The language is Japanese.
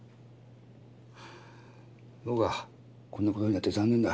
はぁそうか。こんなことになって残念だ。